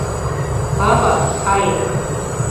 Пава — кайык.